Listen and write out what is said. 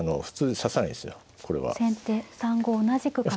先手３五同じく角。